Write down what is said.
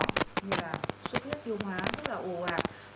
như là suốt lết tiêu hóa tức là ồ ạc